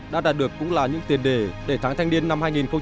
đã đạt được cũng là những tiền đề để tháng thanh niên năm hai nghìn hai mươi